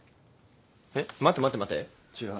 えっ待て待て待て違う。